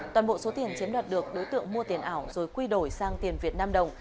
toàn bộ số tiền chiếm đoạt được đối tượng mua tiền ảo rồi quy đổi sang tiền việt nam đồng